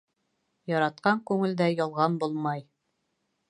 Яратҡан күңелдә ялған булмай.